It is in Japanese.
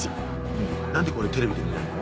ねぇ何でこれテレビで見ないの？